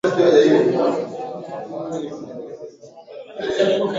Baba yake ni Mzee Ali Hassan Mwinyi